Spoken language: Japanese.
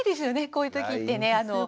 こういう時ってね。